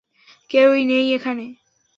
কেউ নেই এখানে।